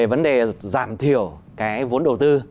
vấn đề giảm thiểu cái vốn đầu tư